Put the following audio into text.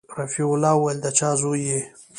رفيع الله وويل د چا زوى يې.